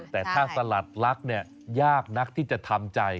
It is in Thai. แต่ถ้าสลัดลักษณ์ยากนักที่จะทำใจ